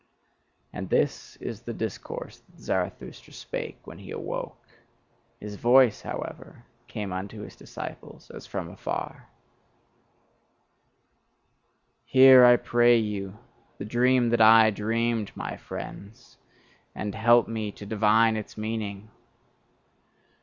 And this is the discourse that Zarathustra spake when he awoke; his voice, however, came unto his disciples as from afar: Hear, I pray you, the dream that I dreamed, my friends, and help me to divine its meaning!